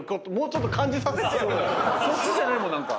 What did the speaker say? そっちじゃないもん何か。